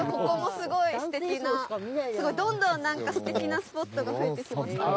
すごいどんどんなんか素敵なスポットが増えてきました。